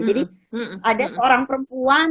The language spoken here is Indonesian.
jadi ada seorang perempuan